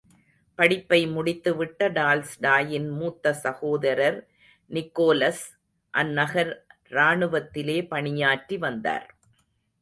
படிப்பை முடித்து விட்ட டால்ஸ்டாயின் மூத்த சகோதரர் நிகோலஸ் அந்நகர் ராணுவத்திலே பணியாற்றி வந்தார்.